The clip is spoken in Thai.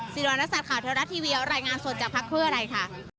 สิริวัณศาสตร์ข่าวเทวรัฐทีวีรายงานสดจากพักเพื่ออะไรค่ะ